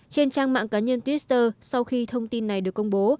trên trang mạng cá nhân twitter sau khi thông tin này được công bố